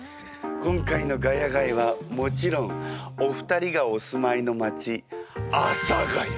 今回の「ヶ谷街」はもちろんお二人がお住まいの街阿佐ヶ谷。